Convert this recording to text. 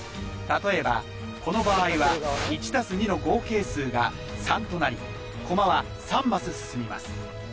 例えばこの場合は１足す２の合計数が３となりコマは３マス進みます